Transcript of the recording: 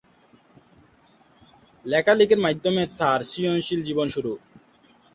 লেখালেখির মাধ্যমেই তার সৃজনশীল জীবন শুরু।